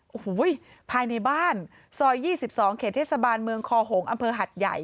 โอ้โหภายในบ้านซอย๒๒เขตเทศบาลเมืองคอหงษ์อำเภอหัดใหญ่